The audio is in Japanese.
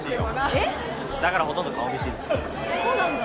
だからほとんど顔見知りそうなんだ